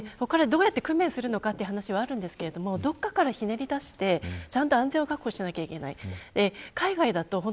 お金をどうやって工面するのかという話はありますがどこかからかひねり出して安全を担保しなきゃいけない。